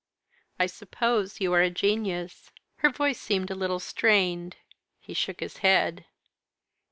"I suppose you are a genius?" Her voice seemed a little strained. He shook his head.